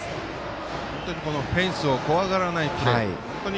本当にフェンスを怖がらないプレー。